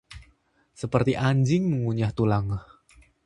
Seperti anjing mengunyah tulang